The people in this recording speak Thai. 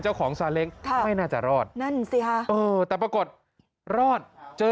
ซาเล้งค่ะไม่น่าจะรอดนั่นสิค่ะเออแต่ปรากฏรอดเจอ